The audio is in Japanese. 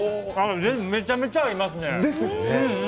めちゃめちゃ合いますね。